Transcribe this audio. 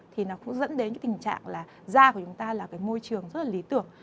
thì nó cũng dẫn đến cái tình trạng là da của chúng ta là cái môi trường rất là lý tưởng